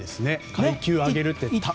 階級を上げるって。